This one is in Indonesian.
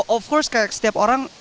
of course kayak setiap orang